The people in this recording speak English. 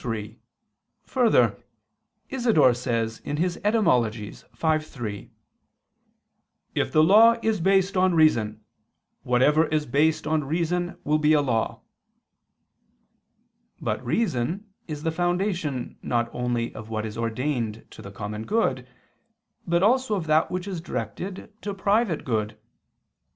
3: Further, Isidore says (Etym. v, 3): "If the law is based on reason, whatever is based on reason will be a law." But reason is the foundation not only of what is ordained to the common good, but also of that which is directed to private good.